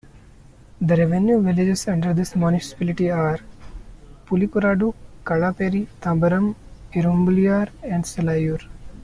The revenue villages under this municipality are Pulikoradu, Kadapperi, Tambaram, Irumbliyur, and Selaiyur.